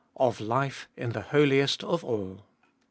Of Life in the Holiest of All.